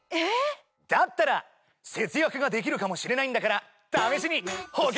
だったら節約ができるかもしれないんだから試しに。